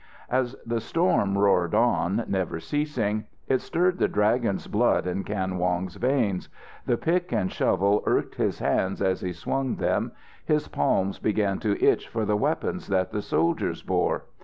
As the storm roared on, never ceasing, it stirred the Dragon's blood in Kan Wong's veins. The pick and shovel irked his hands as he swung them; his palms began to itch for the weapons that the soldiers bore.